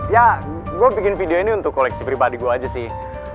ya gue bikin video ini untuk koleksi pribadi gue aja sih